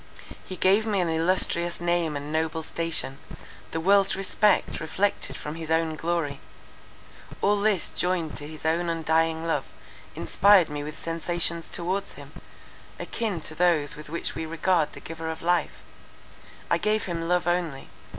He gave me an illustrious name and noble station; the world's respect reflected from his own glory: all this joined to his own undying love, inspired me with sensations towards him, akin to those with which we regard the Giver of life. I gave him love only.